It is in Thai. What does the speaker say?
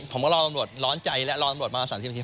รอตำรวจร้อนใจและรอตำรวจมา๓๐นาที